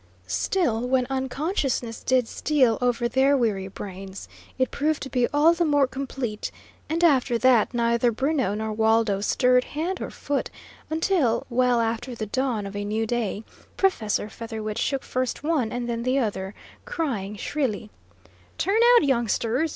Still, when unconsciousness did steal over their weary brains, it proved to be all the more complete, and after that neither Bruno nor Waldo stirred hand or foot until, well after the dawn of a new day, Professor Featherwit shook first one and then the other, crying shrilly: "Turn out, youngsters!